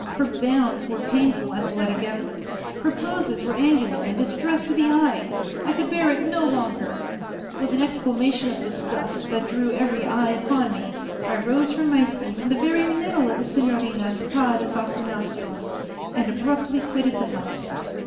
Her bounds were painful athletic efforts; her poses were angular and distressed the eye. I could bear it no longer; with an exclamation of disgust that drew every eye upon me, I rose from my seat in the very middle of the Signorina's pas de fascination and abruptly quitted the house.